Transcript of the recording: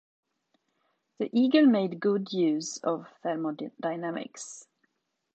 The eagle made good use of thermodynamics.